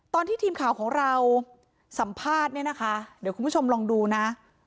ตอนที่ทีมข่าวของเราสัมภาษณ์เนี่ยนะคะเดี๋ยวคุณผู้ชมลองดูนะ